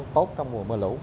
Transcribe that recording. tốt trong mùa mưa lũ